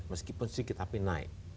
meskipun sedikit tapi naik